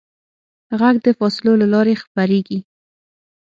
غږ د فاصلو له لارې خپرېږي.